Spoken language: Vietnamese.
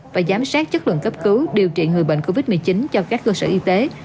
và điều trị người bệnh covid một mươi chín cho các cơ sở y tế